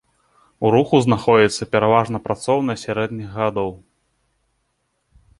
У руху знаходзяцца пераважна працоўныя сярэдніх гадоў.